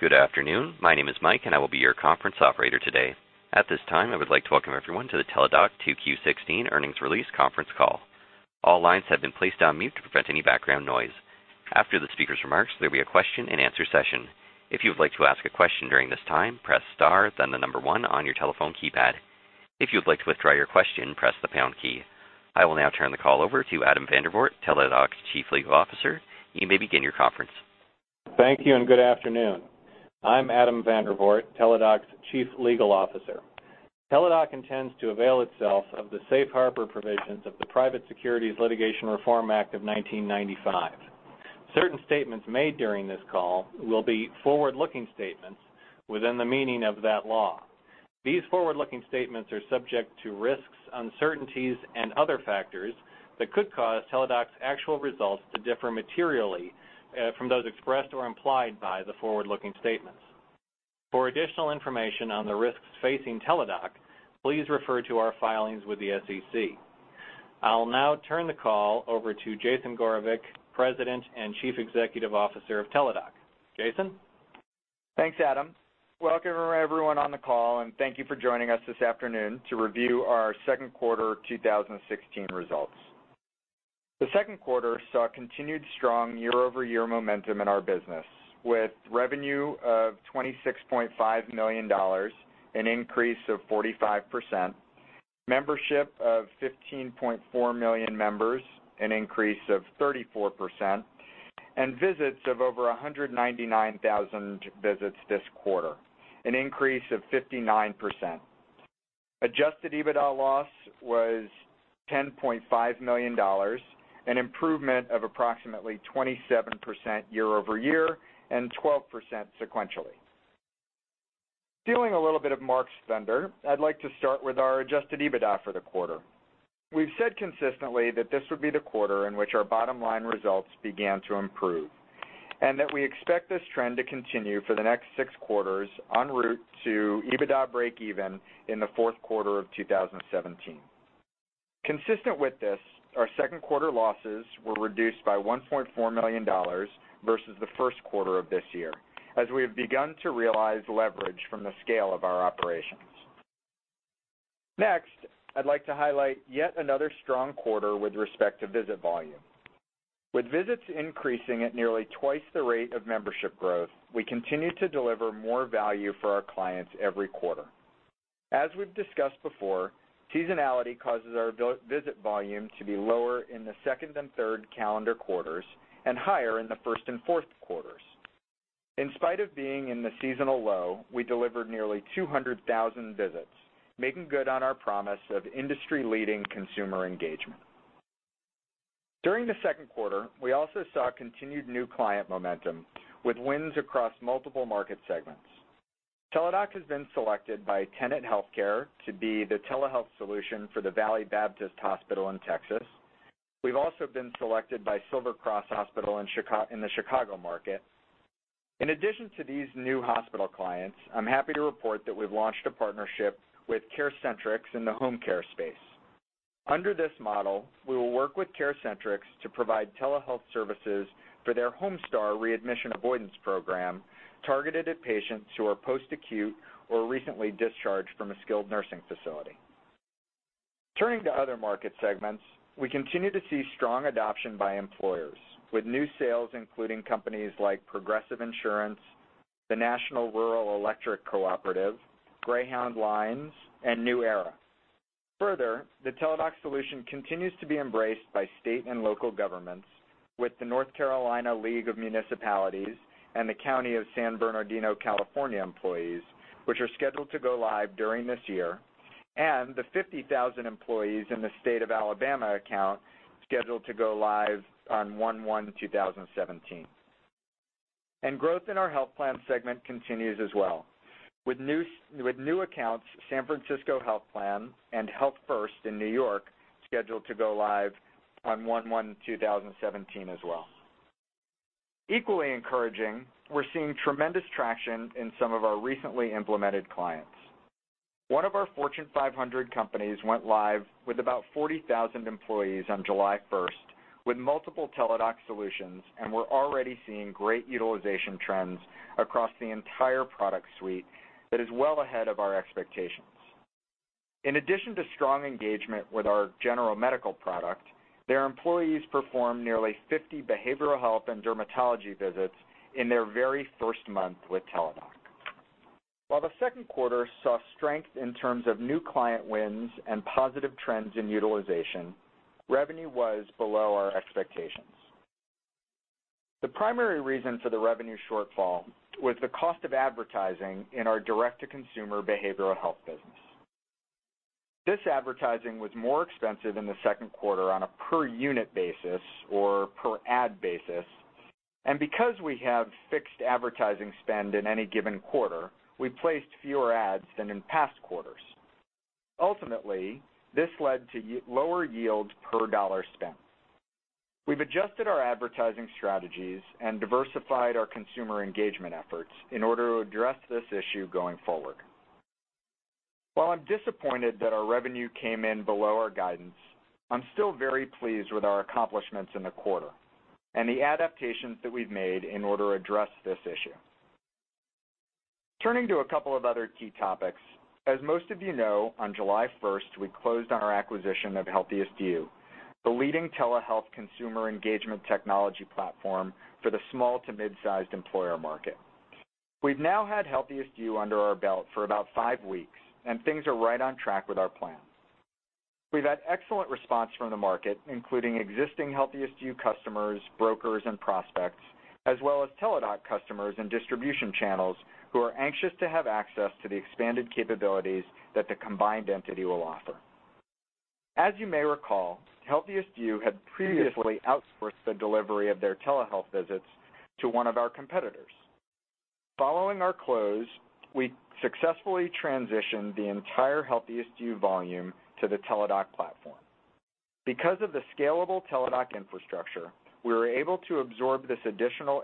Good afternoon. My name is Mike, and I will be your conference operator today. At this time, I would like to welcome everyone to the Teladoc 2Q16 earnings release conference call. All lines have been placed on mute to prevent any background noise. After the speaker's remarks, there will be a question and answer session. If you would like to ask a question during this time, press star, then the number 1 on your telephone keypad. If you would like to withdraw your question, press the pound key. I will now turn the call over to Adam Vandervoort, Teladoc's Chief Legal Officer. You may begin your conference. Thank you. Good afternoon. I'm Adam Vandervoort, Teladoc's Chief Legal Officer. Teladoc intends to avail itself of the safe harbor provisions of the Private Securities Litigation Reform Act of 1995. Certain statements made during this call will be forward-looking statements within the meaning of that law. These forward-looking statements are subject to risks, uncertainties, and other factors that could cause Teladoc's actual results to differ materially from those expressed or implied by the forward-looking statements. For additional information on the risks facing Teladoc, please refer to our filings with the SEC. I'll now turn the call over to Jason Gorevic, President and Chief Executive Officer of Teladoc. Jason? Thanks, Adam. Welcome everyone on the call. Thank you for joining us this afternoon to review our second quarter 2016 results. The second quarter saw continued strong year-over-year momentum in our business with revenue of $26.5 million, an increase of 45%, membership of 15.4 million members, an increase of 34%, and visits of over 199,000 visits this quarter, an increase of 59%. Adjusted EBITDA loss was $10.5 million, an improvement of approximately 27% year-over-year and 12% sequentially. Stealing a little bit of Mark's thunder, I'd like to start with our adjusted EBITDA for the quarter. We've said consistently that this would be the quarter in which our bottom-line results began to improve. We expect this trend to continue for the next six quarters en route to EBITDA breakeven in the fourth quarter of 2017. Consistent with this, our second quarter losses were reduced by $1.4 million versus the first quarter of this year, as we have begun to realize leverage from the scale of our operations. I'd like to highlight yet another strong quarter with respect to visit volume. With visits increasing at nearly twice the rate of membership growth, we continue to deliver more value for our clients every quarter. As we've discussed before, seasonality causes our visit volume to be lower in the second than third calendar quarters and higher in the first and fourth quarters. In spite of being in the seasonal low, we delivered nearly 200,000 visits, making good on our promise of industry-leading consumer engagement. During the second quarter, we also saw continued new client momentum with wins across multiple market segments. Teladoc has been selected by Tenet Healthcare to be the telehealth solution for the Valley Baptist Hospital in Texas. We've also been selected by Silver Cross Hospital in the Chicago market. In addition to these new hospital clients, I'm happy to report that we've launched a partnership with CareCentrix in the home care space. Under this model, we will work with CareCentrix to provide telehealth services for their HomeSTAR readmission avoidance program targeted at patients who are post-acute or recently discharged from a skilled nursing facility. Turning to other market segments, we continue to see strong adoption by employers with new sales including companies like Progressive Insurance, the National Rural Electric Cooperative, Greyhound Lines, and New Era. The Teladoc solution continues to be embraced by state and local governments with the North Carolina League of Municipalities and the County of San Bernardino, California employees, which are scheduled to go live during this year, the 50,000 employees in the State of Alabama account scheduled to go live on 01/01/2017. Growth in our health plan segment continues as well with new accounts San Francisco Health Plan and Healthfirst in New York scheduled to go live on 11/01/2017 as well. Equally encouraging, we're seeing tremendous traction in some of our recently implemented clients. One of our Fortune 500 companies went live with about 40,000 employees on July 1st with multiple Teladoc solutions, and we're already seeing great utilization trends across the entire product suite that is well ahead of our expectations. In addition to strong engagement with our general medical product, their employees performed nearly 50 behavioral health and dermatology visits in their very first month with Teladoc. While the second quarter saw strength in terms of new client wins and positive trends in utilization, revenue was below our expectations. The primary reason for the revenue shortfall was the cost of advertising in our direct-to-consumer behavioral health business. This advertising was more expensive in the second quarter on a per unit basis or per ad basis, because we have fixed advertising spend in any given quarter, we placed fewer ads than in past quarters. Ultimately, this led to lower yields per dollar spent. We've adjusted our advertising strategies and diversified our consumer engagement efforts in order to address this issue going forward. While I'm disappointed that our revenue came in below our guidance, I'm still very pleased with our accomplishments in the quarter and the adaptations that we've made in order to address this issue. Turning to a couple of other key topics, as most of you know, on July 1st, we closed on our acquisition of HealthiestYou, the leading telehealth consumer engagement technology platform for the small to mid-sized employer market. We've now had HealthiestYou under our belt for about five weeks, and things are right on track with our plan. We've had excellent response from the market, including existing HealthiestYou customers, brokers, and prospects, as well as Teladoc customers and distribution channels who are anxious to have access to the expanded capabilities that the combined entity will offer. As you may recall, HealthiestYou had previously outsourced the delivery of their telehealth visits to one of our competitors. Following our close, we successfully transitioned the entire HealthiestYou volume to the Teladoc platform. Because of the scalable Teladoc infrastructure, we were able to absorb this additional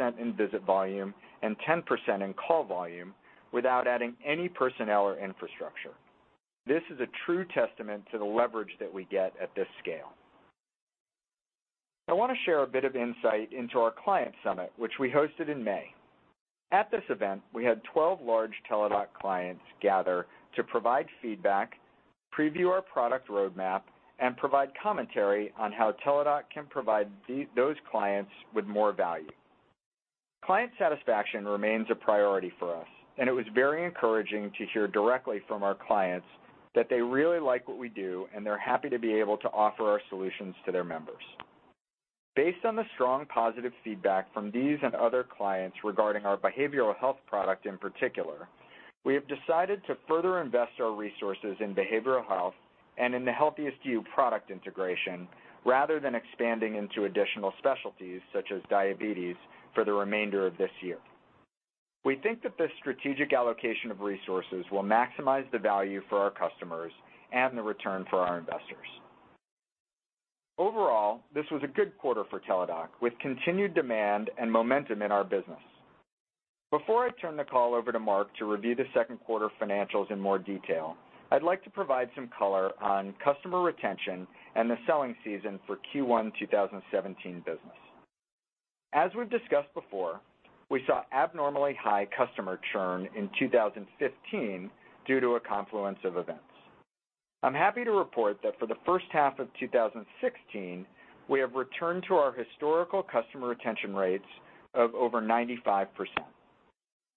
8% in visit volume and 10% in call volume without adding any personnel or infrastructure. This is a true testament to the leverage that we get at this scale. I want to share a bit of insight into our client summit, which we hosted in May. At this event, we had 12 large Teladoc clients gather to provide feedback, preview our product roadmap, and provide commentary on how Teladoc can provide those clients with more value. Client satisfaction remains a priority for us, and it was very encouraging to hear directly from our clients that they really like what we do, and they're happy to be able to offer our solutions to their members. Based on the strong positive feedback from these and other clients regarding our behavioral health product in particular, we have decided to further invest our resources in behavioral health and in the HealthiestYou product integration rather than expanding into additional specialties such as diabetes for the remainder of this year. We think that this strategic allocation of resources will maximize the value for our customers and the return for our investors. Overall, this was a good quarter for Teladoc, with continued demand and momentum in our business. Before I turn the call over to Mark to review the second quarter financials in more detail, I'd like to provide some color on customer retention and the selling season for Q1 2017 business. As we've discussed before, we saw abnormally high customer churn in 2015 due to a confluence of events. I'm happy to report that for the first half of 2016, we have returned to our historical customer retention rates of over 95%.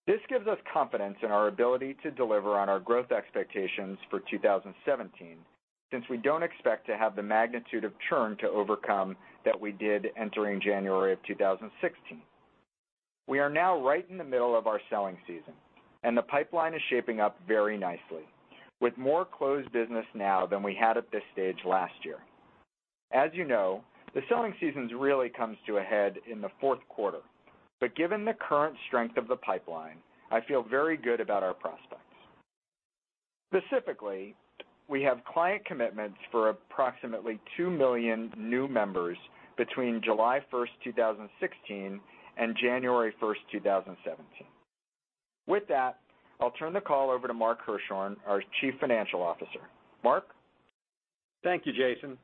This gives us confidence in our ability to deliver on our growth expectations for 2017, since we don't expect to have the magnitude of churn to overcome that we did entering January of 2016. We are now right in the middle of our selling season, and the pipeline is shaping up very nicely, with more closed business now than we had at this stage last year. As you know, the selling seasons really comes to a head in the fourth quarter, but given the current strength of the pipeline, I feel very good about our prospects. Specifically, we have client commitments for approximately 2 million new members between July 1st, 2016, and January 1st, 2017. With that, I'll turn the call over to Mark Hirschhorn, our Chief Financial Officer. Mark? Thank you, Jason.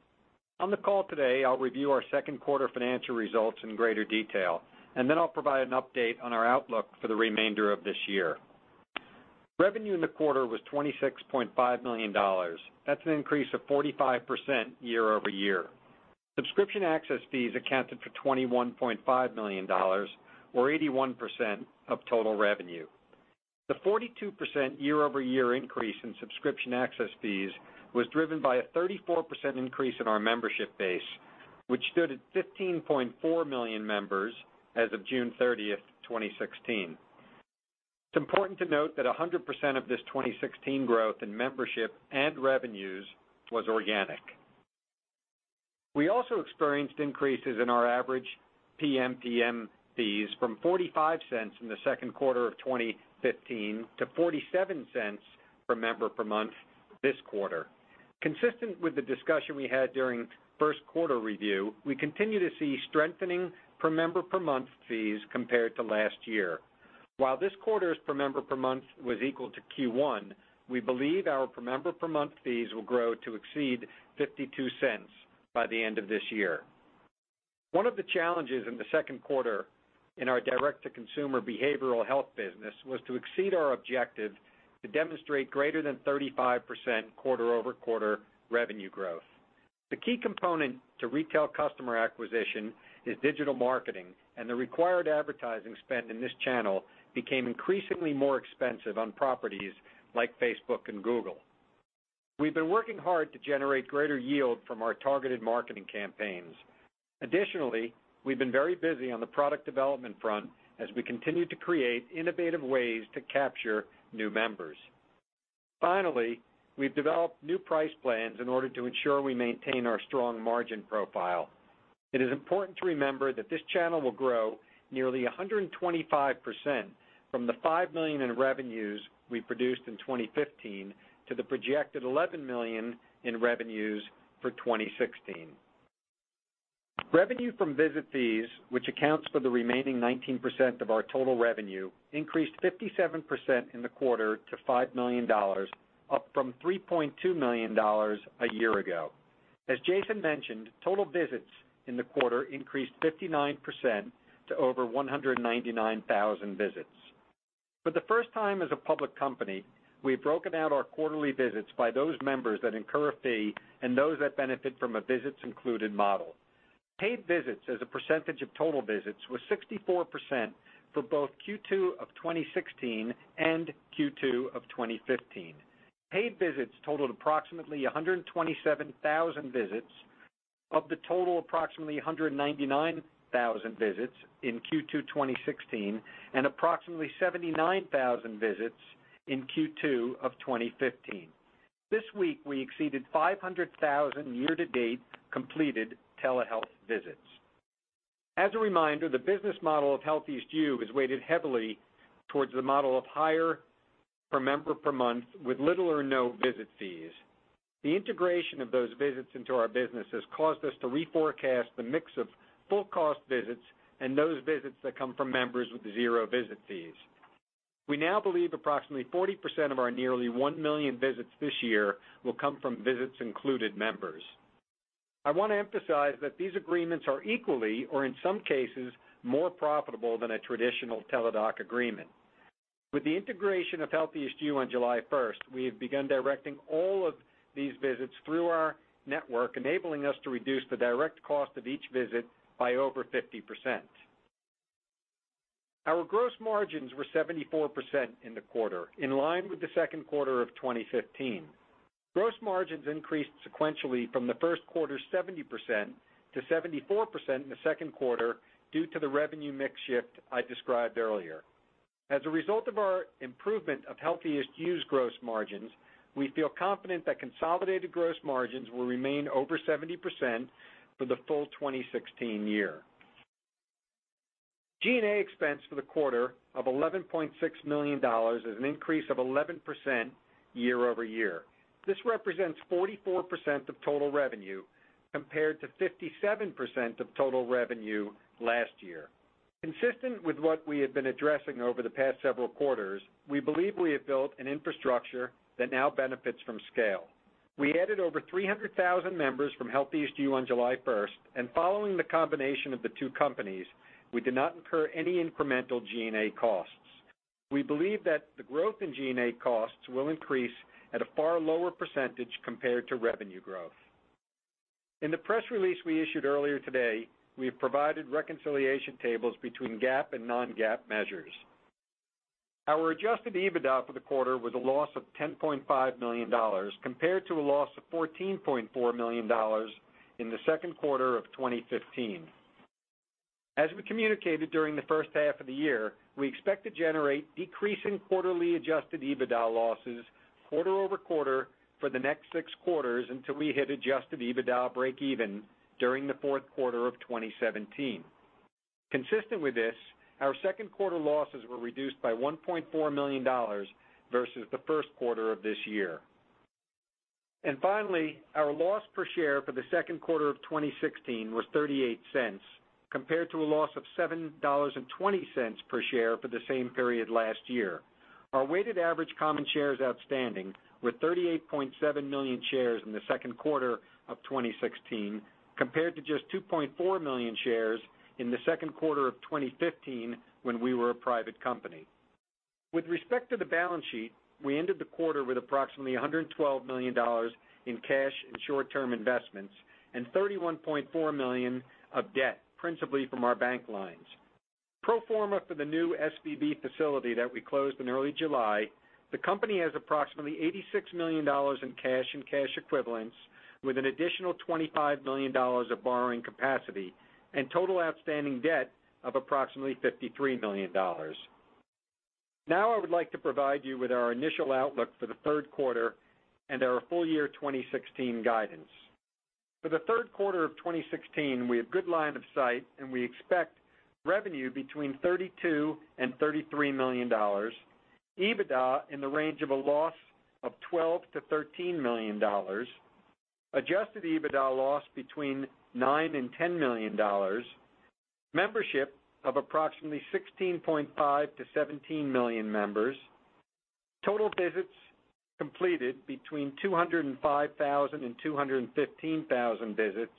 On the call today, I'll review our second quarter financial results in greater detail, then I'll provide an update on our outlook for the remainder of this year. Revenue in the quarter was $26.5 million. That's an increase of 45% year-over-year. Subscription access fees accounted for $21.5 million, or 81% of total revenue. The 42% year-over-year increase in subscription access fees was driven by a 34% increase in our membership base, which stood at 15.4 million members as of June 30th, 2016. It's important to note that 100% of this 2016 growth in membership and revenues was organic. We also experienced increases in our average PMPM fees from $0.45 in the second quarter of 2015 to $0.47 per member per month this quarter. Consistent with the discussion we had during first quarter review, we continue to see strengthening per member per month fees compared to last year. While this quarter's per member per month was equal to Q1, we believe our per member per month fees will grow to exceed $0.52 by the end of this year. One of the challenges in the second quarter in our direct-to-consumer behavioral health business was to exceed our objective to demonstrate greater than 35% quarter-over-quarter revenue growth. The key component to retail customer acquisition is digital marketing, and the required advertising spend in this channel became increasingly more expensive on properties like Facebook and Google. We've been working hard to generate greater yield from our targeted marketing campaigns. Additionally, we've been very busy on the product development front as we continue to create innovative ways to capture new members. Finally, we've developed new price plans in order to ensure we maintain our strong margin profile. It is important to remember that this channel will grow nearly 125% from the $5 million in revenues we produced in 2015 to the projected $11 million in revenues for 2016. Revenue from visit fees, which accounts for the remaining 19% of our total revenue, increased 57% in the quarter to $5 million, up from $3.2 million a year ago. As Jason mentioned, total visits in the quarter increased 59% to over 199,000 visits. For the first time as a public company, we've broken out our quarterly visits by those members that incur a fee and those that benefit from a visits included model. Paid visits as a percentage of total visits were 64% for both Q2 of 2016 and Q2 of 2015. Paid visits totaled approximately 127,000 visits of the total approximately 199,000 visits in Q2 2016, and approximately 79,000 visits in Q2 of 2015. This week, we exceeded 500,000 year-to-date completed telehealth visits. As a reminder, the business model of HealthiestYou is weighted heavily towards the model of higher per member per month with little or no visit fees. The integration of those visits into our business has caused us to reforecast the mix of full cost visits and those visits that come from members with zero visit fees. We now believe approximately 40% of our nearly 1 million visits this year will come from visits included members. I want to emphasize that these agreements are equally, or in some cases, more profitable than a traditional Teladoc agreement. With the integration of HealthiestYou on July 1st, we have begun directing all of these visits through our network, enabling us to reduce the direct cost of each visit by over 50%. Our gross margins were 74% in the quarter, in line with the second quarter of 2015. Gross margins increased sequentially from the first quarter's 70% to 74% in the second quarter due to the revenue mix shift I described earlier. As a result of our improvement of HealthiestYou's gross margins, we feel confident that consolidated gross margins will remain over 70% for the full 2016 year. G&A expense for the quarter of $11.6 million is an increase of 11% year-over-year. This represents 44% of total revenue, compared to 57% of total revenue last year. Consistent with what we have been addressing over the past several quarters, we believe we have built an infrastructure that now benefits from scale. We added over 300,000 members from HealthiestYou on July 1st and following the combination of the two companies, we did not incur any incremental G&A costs. We believe that the growth in G&A costs will increase at a far lower percentage compared to revenue growth. In the press release we issued earlier today, we have provided reconciliation tables between GAAP and non-GAAP measures. Our adjusted EBITDA for the quarter was a loss of $10.5 million, compared to a loss of $14.4 million in the second quarter of 2015. As we communicated during the first half of the year, we expect to generate decreasing quarterly adjusted EBITDA losses quarter-over-quarter for the next six quarters until we hit adjusted EBITDA break even during the fourth quarter of 2017. Consistent with this, our second quarter losses were reduced by $1.4 million versus the first quarter of this year. Finally, our loss per share for the second quarter of 2016 was $0.38, compared to a loss of $7.20 per share for the same period last year. Our weighted average common shares outstanding were 38.7 million shares in the second quarter of 2016, compared to just 2.4 million shares in the second quarter of 2015 when we were a private company. With respect to the balance sheet, we ended the quarter with approximately $112 million in cash and short-term investments, and $31.4 million of debt, principally from our bank lines. Pro forma for the new SVB facility that we closed in early July, the company has approximately $86 million in cash and cash equivalents, with an additional $25 million of borrowing capacity and total outstanding debt of approximately $53 million. I would like to provide you with our initial outlook for the third quarter and our full year 2016 guidance. For the third quarter of 2016, we have good line of sight. We expect revenue between $32 million and $33 million, EBITDA in the range of a loss of $12 million to $13 million, adjusted EBITDA loss between $9 million and $10 million, membership of approximately 16.5 million to 17 million members, total visits completed between 205,000 and 215,000 visits,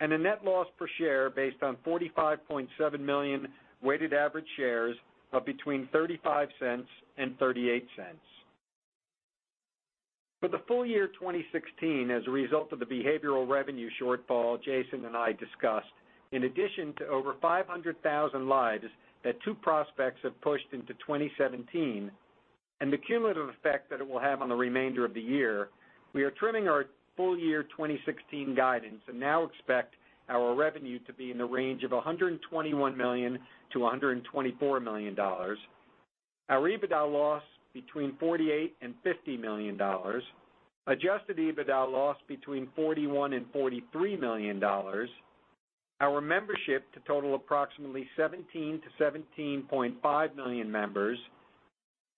and a net loss per share based on 45.7 million weighted average shares of between $0.35 and $0.38. For the full year 2016, as a result of the behavioral revenue shortfall Jason and I discussed, in addition to over 500,000 lives that two prospects have pushed into 2017 and the cumulative effect that it will have on the remainder of the year, we are trimming our full year 2016 guidance and now expect our revenue to be in the range of $121 million to $124 million. Our EBITDA loss between $48 million and $50 million, adjusted EBITDA loss between $41 million and $43 million, our membership to total approximately 17 million to 17.5 million members.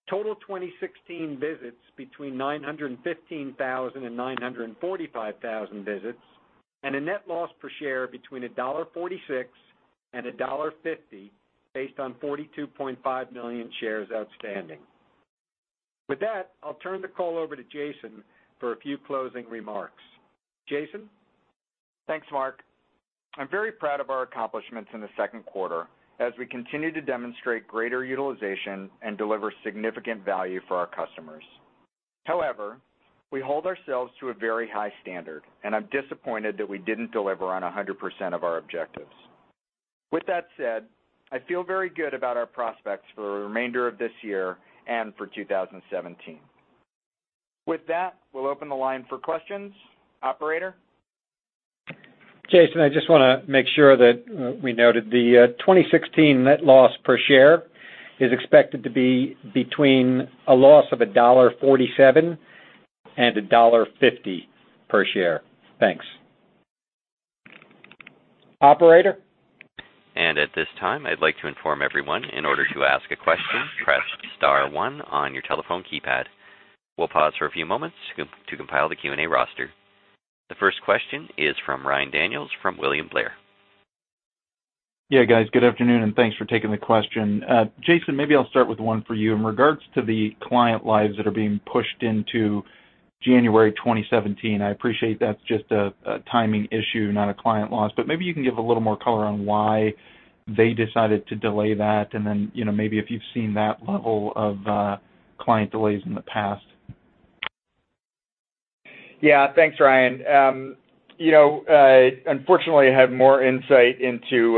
Total 2016 visits between 915,000 and 945,000 visits, and a net loss per share between $1.47 and $1.50 based on 42.5 million shares outstanding. With that, I'll turn the call over to Jason for a few closing remarks. Jason? Thanks, Mark. I'm very proud of our accomplishments in the second quarter as we continue to demonstrate greater utilization and deliver significant value for our customers. However, we hold ourselves to a very high standard. I'm disappointed that we didn't deliver on 100% of our objectives. With that said, I feel very good about our prospects for the remainder of this year and for 2017. With that, we'll open the line for questions. Operator? Jason, I just want to make sure that we noted the 2016 net loss per share is expected to be between a loss of $1.47 and $1.50 per share. Thanks. Operator? At this time, I'd like to inform everyone, in order to ask a question, press star one on your telephone keypad. We'll pause for a few moments to compile the Q&A roster. The first question is from Ryan Daniels, from William Blair. Yeah, guys. Good afternoon, and thanks for taking the question. Jason, maybe I'll start with one for you. In regards to the client lives that are being pushed into January 2017, I appreciate that's just a timing issue, not a client loss, but maybe you can give a little more color on why they decided to delay that, and then maybe if you've seen that level of client delays in the past. Yeah. Thanks, Ryan. Unfortunately, I have more insight into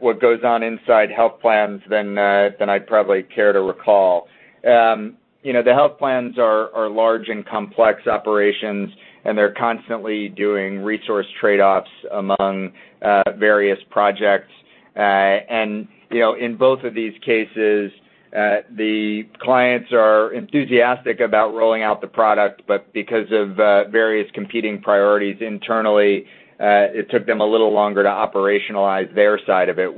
what goes on inside health plans than I'd probably care to recall. The health plans are large and complex operations, and they're constantly doing resource trade-offs among various projects. In both of these cases, the clients are enthusiastic about rolling out the product, but because of various competing priorities internally, it took them a little longer to operationalize their side of it.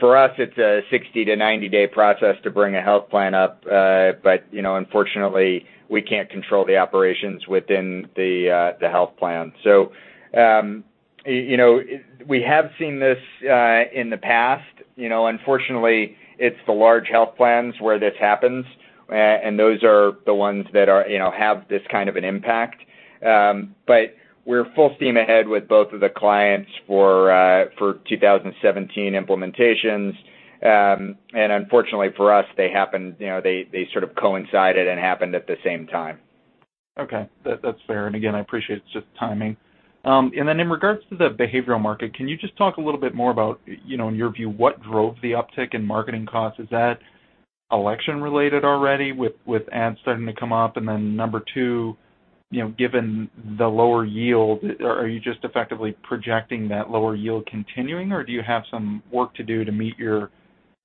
For us, it's a 60-90-day process to bring a health plan up. Unfortunately, we can't control the operations within the health plan. We have seen this in the past. Unfortunately, it's the large health plans where this happens, and those are the ones that have this kind of an impact. We're full steam ahead with both of the clients for 2017 implementations. Unfortunately for us, they sort of coincided and happened at the same time. Okay. That's fair. Again, I appreciate it's just timing. In regards to the behavioral market, can you just talk a little bit more about, in your view, what drove the uptick in marketing costs? Is that election related already with ads starting to come up? Number two, given the lower yield, are you just effectively projecting that lower yield continuing, or do you have some work to do to meet your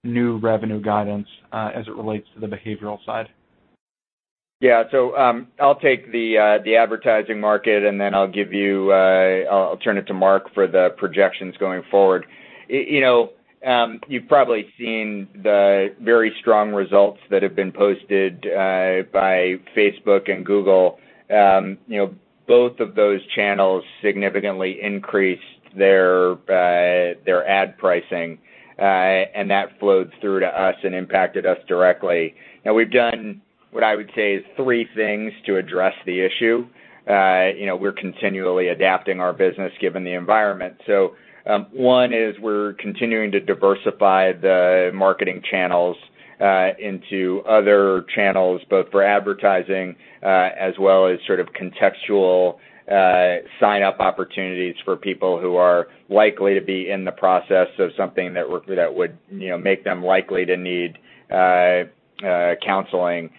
new revenue guidance as it relates to the behavioral side? Yeah. I'll take the advertising market, and then I'll turn it to Mark for the projections going forward. You've probably seen the very strong results that have been posted by Facebook and Google. Both of those channels significantly increased their ad pricing, and that flowed through to us and impacted us directly. Now we've done what I would say is three things to address the issue. We're continually adapting our business given the environment. One is we're continuing to diversify the marketing channels into other channels, both for advertising as well as sort of contextual sign-up opportunities for people who are likely to be in the process of something that would make them likely to need counseling.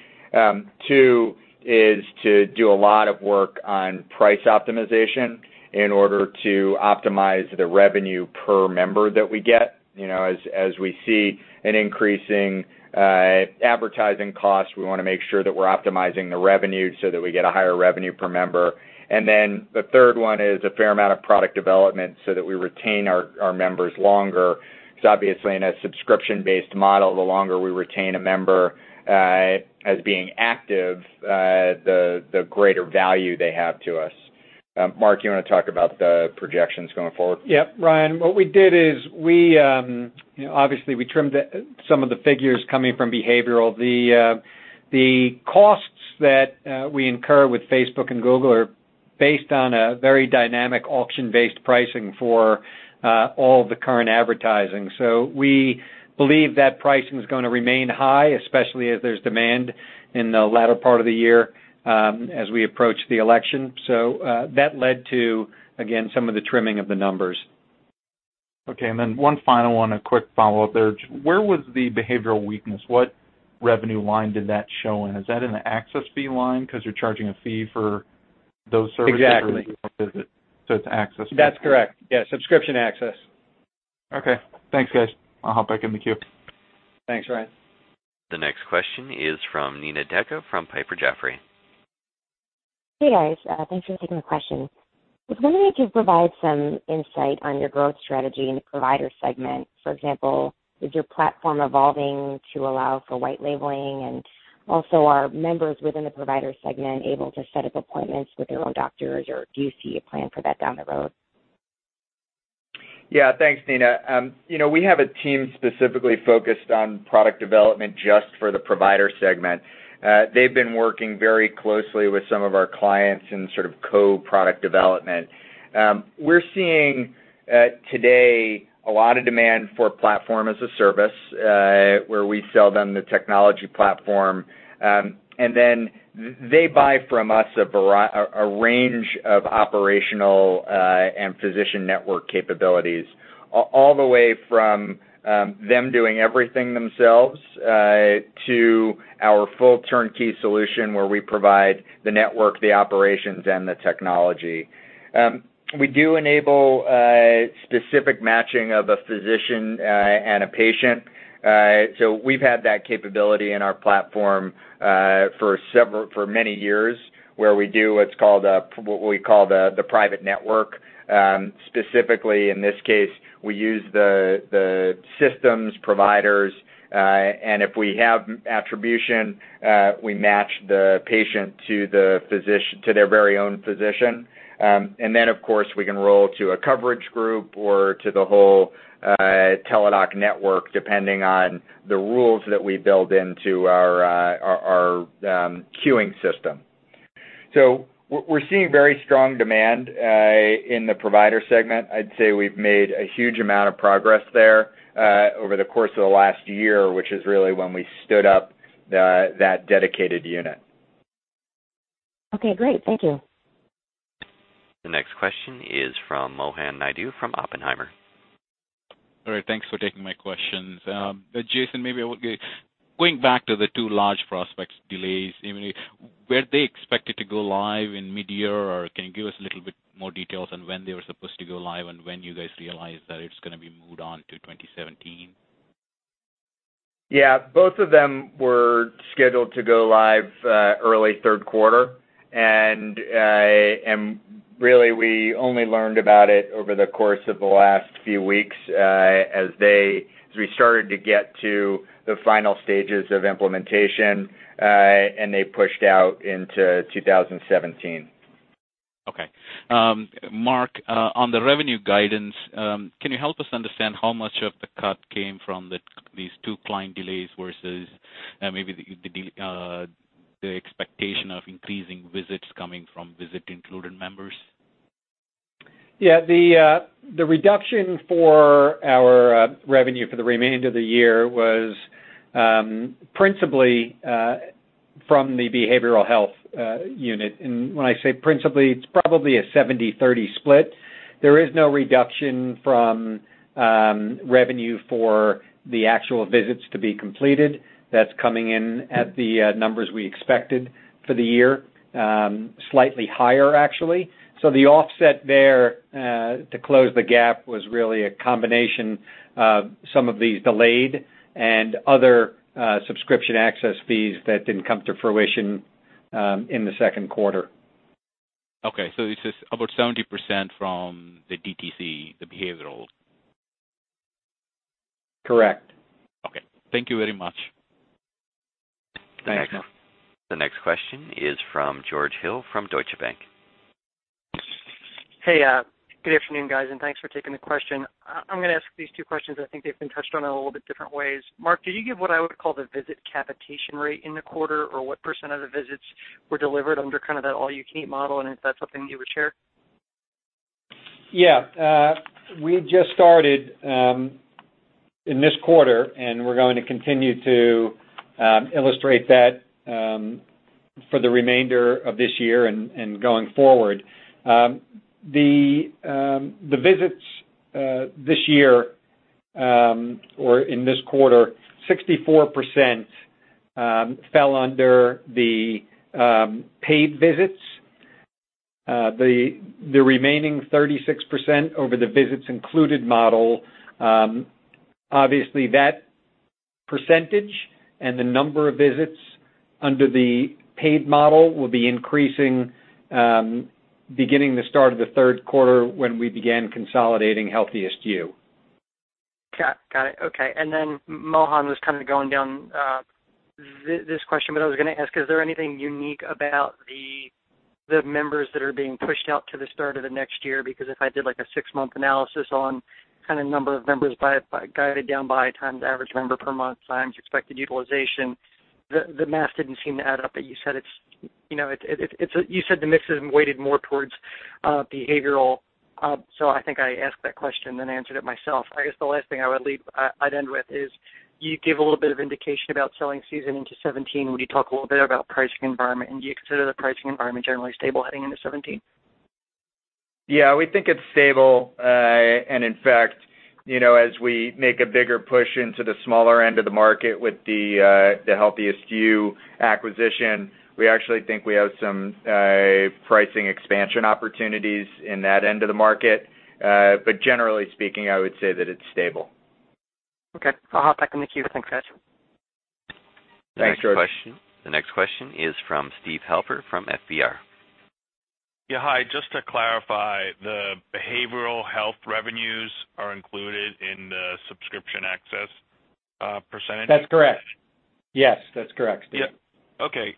Two is to do a lot of work on price optimization in order to optimize the revenue per member that we get. As we see an increasing advertising cost, we want to make sure that we're optimizing the revenue so that we get a higher revenue per member. The third one is a fair amount of product development so that we retain our members longer. Because obviously in a subscription-based model, the longer we retain a member as being active, the greater value they have to us. Mark, you want to talk about the projections going forward? Yep. Ryan, what we did is obviously we trimmed some of the figures coming from behavioral. The costs that we incur with Facebook and Google are based on a very dynamic auction-based pricing for all the current advertising. We believe that pricing is going to remain high, especially as there's demand in the latter part of the year as we approach the election. That led to, again, some of the trimming of the numbers. Okay. One final one, a quick follow-up there. Where was the behavioral weakness? What revenue line did that show in? Is that in the access fee line because you're charging a fee for those services- Exactly for a visit. It's access fee. That's correct. Yeah, subscription access. Okay. Thanks, guys. I'll hop back in the queue. Thanks, Ryan. The next question is from Nina Deka from Piper Jaffray. Hey, guys. Thanks for taking my question. I was wondering if you could provide some insight on your growth strategy in the provider segment. For example, is your platform evolving to allow for white labeling? Also, are members within the provider segment able to set up appointments with their own doctors, or do you see a plan for that down the road? Yeah. Thanks, Nina. We have a team specifically focused on product development just for the provider segment. They've been working very closely with some of our clients in sort of co-product development. We're seeing, today, a lot of demand for platform as a service, where we sell them the technology platform, then they buy from us a range of operational and physician network capabilities, all the way from them doing everything themselves to our full turnkey solution, where we provide the network, the operations, and the technology. We do enable specific matching of a physician and a patient. We've had that capability in our platform for many years, where we do what we call the private network. Specifically, in this case, we use the systems providers, if we have attribution, we match the patient to their very own physician. Of course, we can roll to a coverage group or to the whole Teladoc network, depending on the rules that we build into our queuing system. We're seeing very strong demand in the provider segment. I'd say we've made a huge amount of progress there over the course of the last year, which is really when we stood up that dedicated unit. Okay, great. Thank you. The next question is from Mohan Naidu from Oppenheimer. All right. Thanks for taking my questions. Jason, maybe going back to the two large prospects delays, were they expected to go live in mid-year, or can you give us a little bit more details on when they were supposed to go live and when you guys realized that it's going to be moved on to 2017? Yeah. Both of them were scheduled to go live early third quarter. Really, we only learned about it over the course of the last few weeks as we started to get to the final stages of implementation. They pushed out into 2017. Okay. Mark, on the revenue guidance, can you help us understand how much of the cut came from these two client delays versus maybe the expectation of increasing visits coming from visit-included members? Yeah. The reduction for our revenue for the remainder of the year was principally from the behavioral health unit. When I say principally, it's probably a 70/30 split. There is no reduction from revenue for the actual visits to be completed. That's coming in at the numbers we expected for the year. Slightly higher, actually. The offset there to close the gap was really a combination of some of these delayed and other subscription access fees that didn't come to fruition in the second quarter. Okay, this is about 70% from the DTC, the behavioral. Correct. Okay. Thank you very much. Thanks, Mohan. The next question is from George Hill from Deutsche Bank. Hey, good afternoon, guys, and thanks for taking the question. I'm going to ask these two questions. I think they've been touched on in a little bit different ways. Mark, did you give what I would call the visit capitation rate in the quarter, or what % of the visits were delivered under kind of that all you can eat model, and is that something you would share? Yeah. We just started in this quarter. We're going to continue to illustrate that for the remainder of this year and going forward. The visits this year or in this quarter, 64% fell under the paid visits. The remaining 36% over the visits included model. Obviously, that percentage and the number of visits under the paid model will be increasing beginning the start of the third quarter when we began consolidating HealthiestYou. Got it. Okay. Mohan was kind of going down this question. I was going to ask, is there anything unique about the members that are being pushed out to the start of the next year? Because if I did, like, a six-month analysis on kind of number of members guided down by times average member per month times expected utilization, the math didn't seem to add up. You said the mix is weighted more towards behavioral. I think I asked that question, then answered it myself. I guess the last thing I'd end with is, you gave a little bit of indication about selling season into 2017 when you talk a little bit about pricing environment. Do you consider the pricing environment generally stable heading into 2017? Yeah, we think it's stable. In fact, as we make a bigger push into the smaller end of the market with the HealthiestYou acquisition, we actually think we have some pricing expansion opportunities in that end of the market. Generally speaking, I would say that it's stable. Okay. I'll hop back in the queue. Thanks, guys. Thanks, George. The next question is from Steve Halper from FBR. Yeah, hi. Just to clarify, the behavioral health revenues are included in the subscription access percentage? That's correct. Yes, that's correct, Steve. Okay.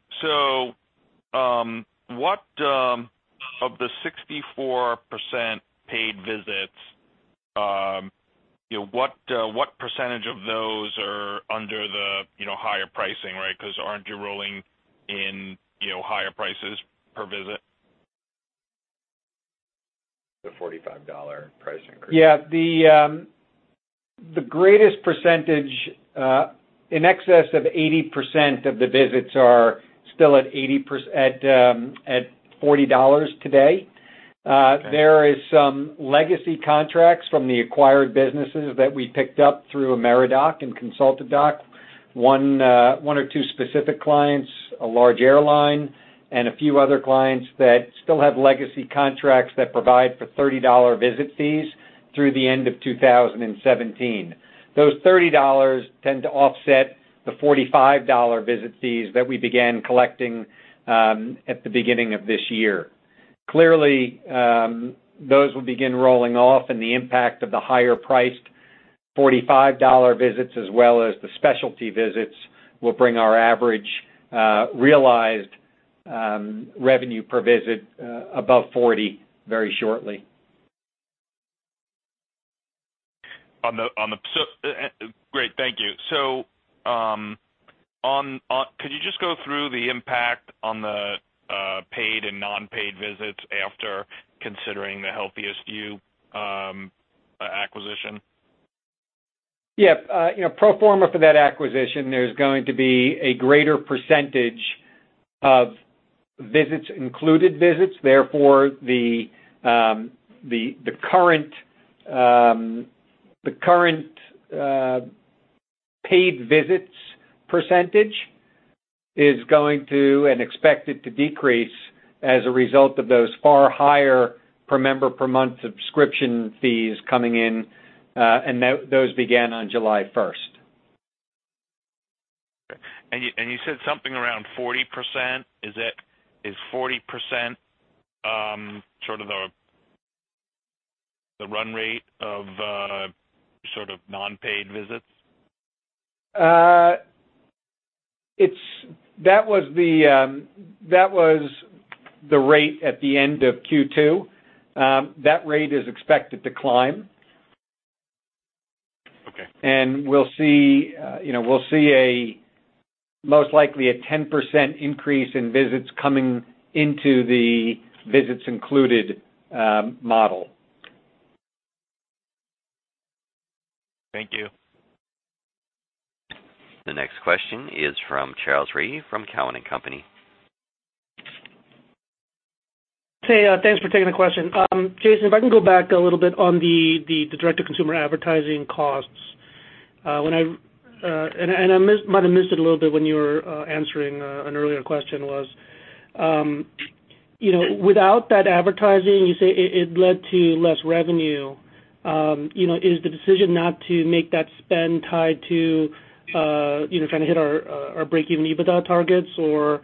Of the 64% paid visits, what percentage of those are under the higher pricing, right? Because aren't you rolling in higher prices per visit? The $45 price increase. The greatest percentage, in excess of 80% of the visits are still at $40 today. Okay. There is some legacy contracts from the acquired businesses that we picked up through AmeriDoc and Consult A Doctor. One or two specific clients, a large airline, and a few other clients that still have legacy contracts that provide for $30 visit fees through the end of 2017. Those $30 tend to offset the $45 visit fees that we began collecting at the beginning of this year. Clearly, those will begin rolling off, and the impact of the higher priced $45 visits as well as the specialty visits will bring our average realized revenue per visit above $40 very shortly. Great, thank you. Could you just go through the impact on the paid and non-paid visits after considering the HealthiestYou acquisition? Yeah. Pro forma for that acquisition, there's going to be a greater percentage of visits included visits. Therefore, the current paid visits percentage is expected to decrease as a result of those far higher per member per month subscription fees coming in. Those began on July 1st. Okay. You said something around 40%. Is 40% sort of the run rate of non-paid visits? That was the rate at the end of Q2. That rate is expected to climb. Okay. We'll see most likely a 10% increase in visits coming into the visits included model. Thank you. The next question is from Charles Rhyee from Cowen and Company. Hey, thanks for taking the question. Jason, if I can go back a little bit on the direct-to-consumer advertising costs. I might have missed it a little bit when you were answering an earlier question was, without that advertising, you say it led to less revenue. Is the decision not to make that spend tied to trying to hit our break even EBITDA targets? Or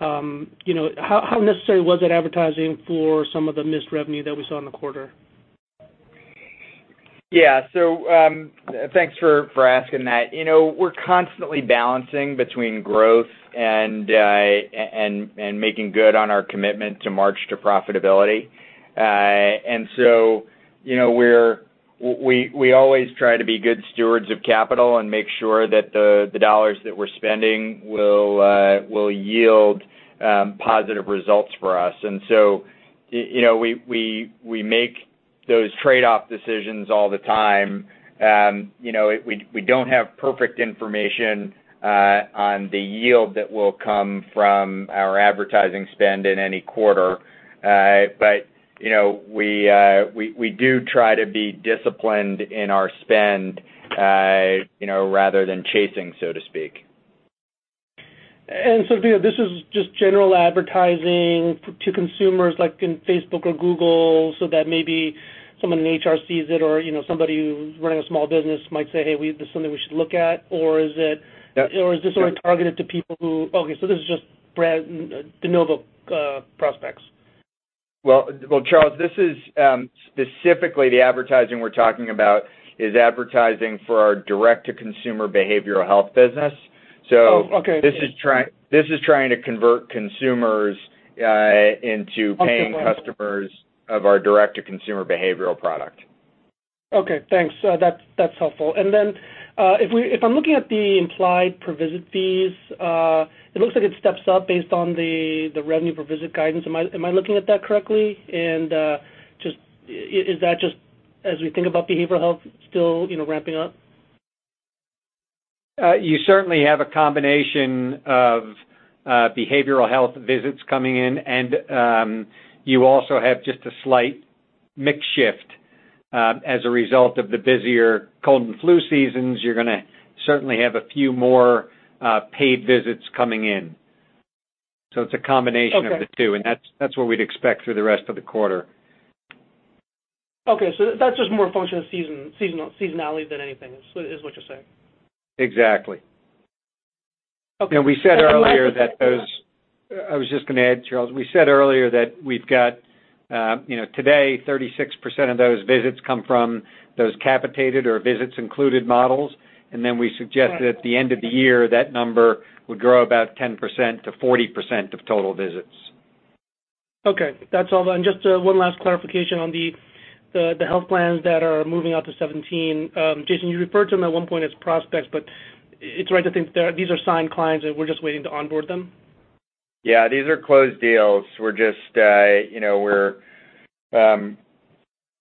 how necessary was that advertising for some of the missed revenue that we saw in the quarter? Yeah. Thanks for asking that. We're constantly balancing between growth and making good on our commitment to march to profitability. We always try to be good stewards of capital and make sure that the dollars that we're spending will yield positive results for us. We make those trade-off decisions all the time. We don't have perfect information on the yield that will come from our advertising spend in any quarter. We do try to be disciplined in our spend, rather than chasing, so to speak. This is just general advertising to consumers like in Facebook or Google, so that maybe someone in HR sees it, or somebody who's running a small business might say, "Hey, this is something we should look at." Is this sort of targeted to people? Okay, this is just [brand de novo] prospects. Well, Charles, this is specifically the advertising we're talking about is advertising for our direct-to-consumer behavioral health business. Oh, okay. This is trying to convert consumers into paying customers of our direct-to-consumer behavioral product. Okay, thanks. That's helpful. If I'm looking at the implied per visit fees, it looks like it steps up based on the revenue per visit guidance. Am I looking at that correctly? Is that just as we think about behavioral health still ramping up? You certainly have a combination of behavioral health visits coming in, and you also have just a slight mix shift as a result of the busier cold and flu seasons. You're going to certainly have a few more paid visits coming in. It's a combination of the two, and that's what we'd expect through the rest of the quarter. That's just more a function of seasonality than anything, is what you're saying? Exactly. Okay. I was just going to add, Charles, we said earlier that we've got, today, 36% of those visits come from those capitated or visits included models. We suggested at the end of the year, that number would grow about 10%-40% of total visits. Okay. That's all. Just one last clarification on the health plans that are moving out to 2017. Jason, you referred to them at one point as prospects, but it's right to think that these are signed clients and we're just waiting to onboard them? Yeah, these are closed deals.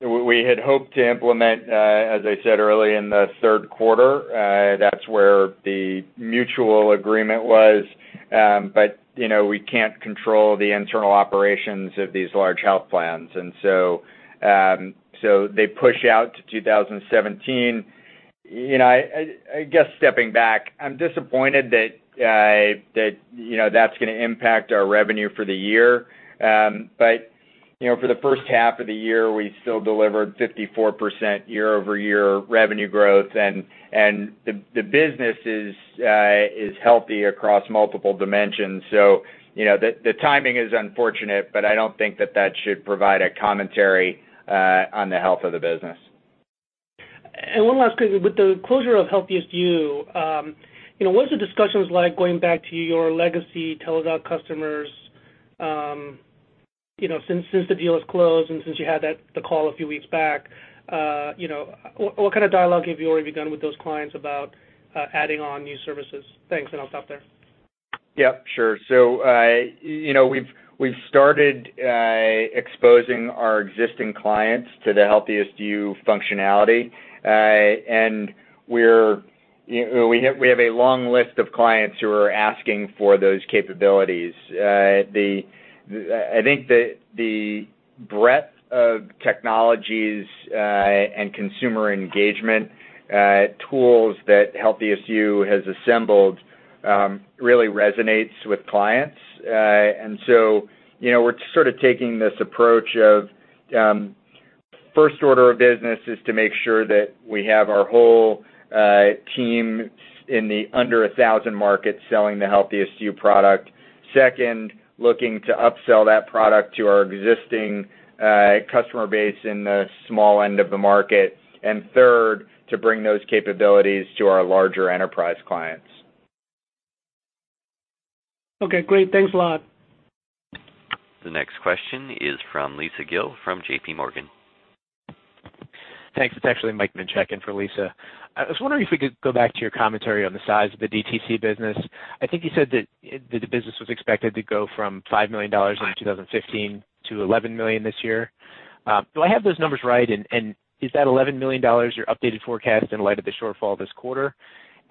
We had hoped to implement, as I said earlier, in the third quarter. That's where the mutual agreement was. We can't control the internal operations of these large health plans. They push out to 2017. I guess stepping back, I'm disappointed that's going to impact our revenue for the year. For the first half of the year, we still delivered 54% year-over-year revenue growth, and the business is healthy across multiple dimensions. The timing is unfortunate, but I don't think that should provide a commentary on the health of the business. One last question. With the closure of HealthiestYou, what is the discussions like going back to your legacy Teladoc customers? Since the deal is closed and since you had the call a few weeks back, what kind of dialogue have you already done with those clients about adding on new services? Thanks, and I'll stop there. Yep, sure. We've started exposing our existing clients to the HealthiestYou functionality. We have a long list of clients who are asking for those capabilities. I think the breadth of technologies and consumer engagement tools that HealthiestYou has assembled, really resonates with clients. We're sort of taking this approach of first order of business is to make sure that we have our whole team in the under 1,000 markets selling the HealthiestYou product. Second, looking to upsell that product to our existing customer base in the small end of the market. Third, to bring those capabilities to our larger enterprise clients. Okay, great. Thanks a lot. The next question is from Lisa Gill from JPMorgan. Thanks. It's actually Mike Minchak in for Lisa. I was wondering if we could go back to your commentary on the size of the DTC business. I think you said that the business was expected to go from $5 million in 2015 to $11 million this year. Do I have those numbers right? Is that $11 million your updated forecast in light of the shortfall this quarter?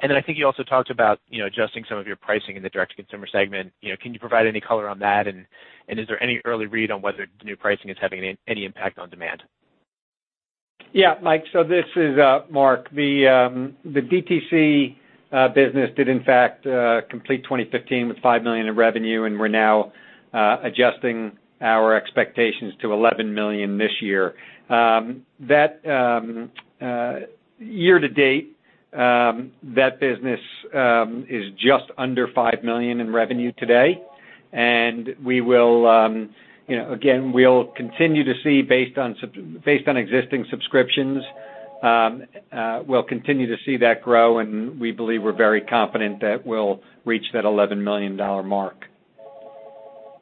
I think you also talked about adjusting some of your pricing in the direct-to-consumer segment. Can you provide any color on that? Is there any early read on whether the new pricing is having any impact on demand? Mike. This is Mark. The DTC business did in fact complete 2015 with $5 million in revenue. We're now adjusting our expectations to $11 million this year. Year to date, that business is just under $5 million in revenue today. Again, based on existing subscriptions, we'll continue to see that grow, and we believe we're very confident that we'll reach that $11 million mark.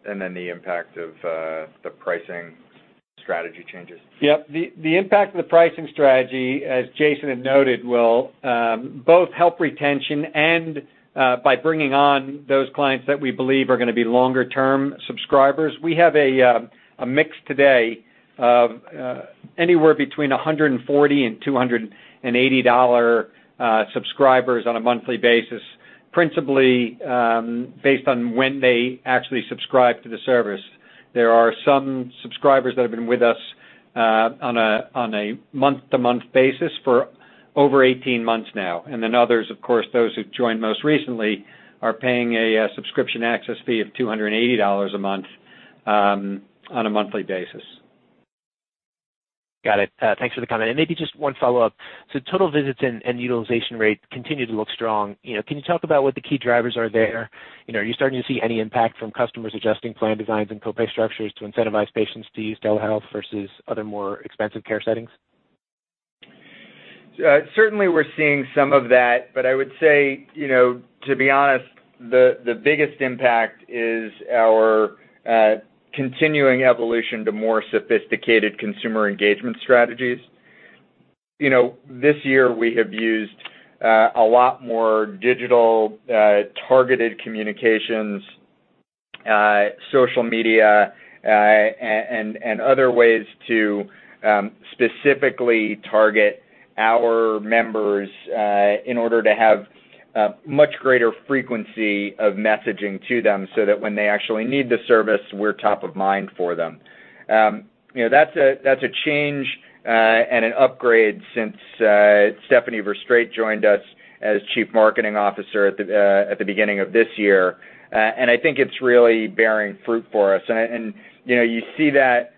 The impact of the pricing strategy changes. The impact of the pricing strategy, as Jason had noted, will both help retention and by bringing on those clients that we believe are going to be longer term subscribers. We have a mix today of anywhere between $140 and $280 subscribers on a monthly basis, principally based on when they actually subscribe to the service. There are some subscribers that have been with us on a month-to-month basis for over 18 months now. Others, of course, those who've joined most recently are paying a subscription access fee of $280 a month, on a monthly basis. Got it. Thanks for the comment. Maybe just one follow-up. Total visits and utilization rate continue to look strong. Can you talk about what the key drivers are there? Are you starting to see any impact from customers adjusting plan designs and copay structures to incentivize patients to use telehealth versus other more expensive care settings? Certainly, we're seeing some of that, but I would say, to be honest, the biggest impact is our continuing evolution to more sophisticated consumer engagement strategies. This year, we have used a lot more digital targeted communications, social media, and other ways to specifically target our members, in order to have a much greater frequency of messaging to them so that when they actually need the service, we're top of mind for them. That's a change, and an upgrade since Stephany Verstraete joined us as Chief Marketing Officer at the beginning of this year. I think it's really bearing fruit for us. You see that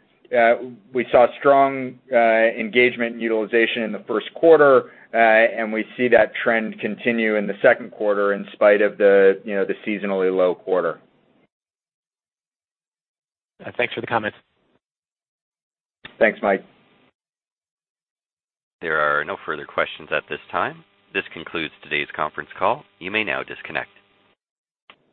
we saw strong engagement and utilization in the first quarter, and we see that trend continue in the second quarter in spite of the seasonally low quarter. Thanks for the comments. Thanks, Mike. There are no further questions at this time. This concludes today's conference call. You may now disconnect.